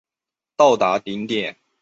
达到了顶点。